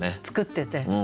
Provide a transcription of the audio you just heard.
作ってて。